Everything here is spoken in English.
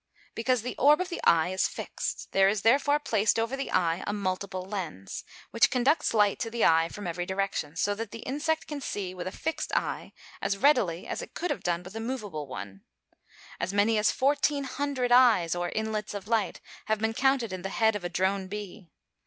_ Because the orb of the eye is fixed; there is therefore placed over the eye a multiple lens, which conducts light to the eye from every direction; so that the insect can see with a fixed eye as readily as it could have done with a movable one. As many as fourteen hundred eyes, or inlets of light, have been counted in the head of a drone bee.